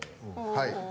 はい。